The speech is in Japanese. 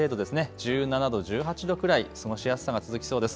１７度、１８度くらい過ごしやすさが続きそうです。